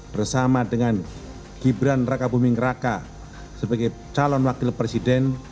bersama dengan gibran raka buming raka sebagai calon wakil presiden